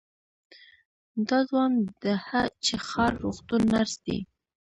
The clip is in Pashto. دا ځوان د هه چه ښار روغتون نرس دی.